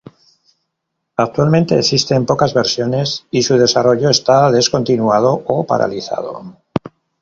Actualmente existen pocas versiones, y su desarrollo está descontinuado o paralizado.